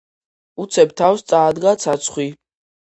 უცებ თავს წაადგა ცაცხვი.